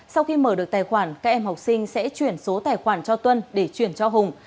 sau khi mở được tài khoản các em học sinh sẽ chuyển số tài khoản cho tuân để chuyển cho hùng